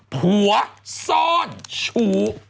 ผัวซ่อนชู้